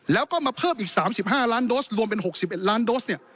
แล้วก็มาเพิ่มอีก๓๕ล้านโดสรวมเป็น๖๑ล้านโดสเนี่ย